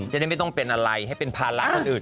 จะได้ไม่ต้องเป็นอะไรให้เป็นภาระคนอื่น